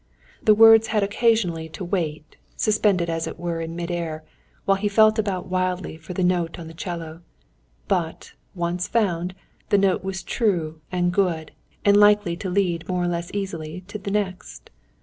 The words had occasionally to wait, suspended as it were in mid air, while he felt about wildly for the note on the 'cello; but, once found, the note was true and good, and likely to lead more or less easily to the next.